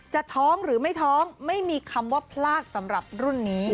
ท้องหรือไม่ท้องไม่มีคำว่าพลาดสำหรับรุ่นนี้